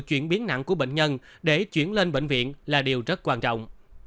chuyển biến nặng của bệnh nhân để chuyển lên bệnh viện là điều rất quan trọng